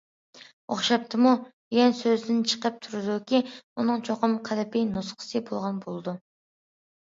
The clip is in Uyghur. « ئوخشاپتىمۇ» دېگەن سۆزدىن چىقىپ تۇرىدۇكى، ئۇنىڭ چوقۇم قېلىپى، نۇسخىسى بولغان بولىدۇ.